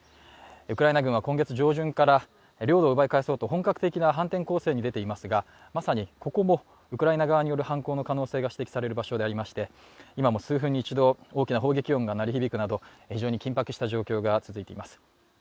ウクライナ軍は今月上旬から領土を奪い返そうと本格的な反転攻勢に出ていますが、ここもウクライナ側の攻撃が指摘されている場所でありまして今も数分に一度、大きな砲撃音が鳴り響くなど、非常に緊迫した状況が続いています。